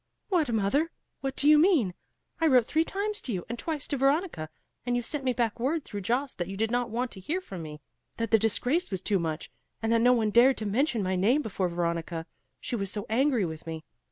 "What, mother! what do you mean? I wrote three times to you and twice to Veronica; and you sent me back word through Jost that you did not want to hear from me; that the disgrace was too much, and that no one dared to mention my name before Veronica, she was so angry with me.